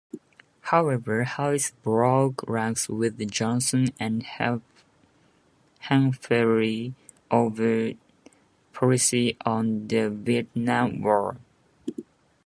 However, Harris broke ranks with Johnson and Humphrey over policy on the Vietnam War.